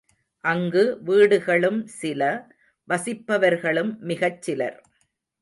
அங்கு வீடுகளும் சில வசிப்பவர்களும் மிகச்சிலர்.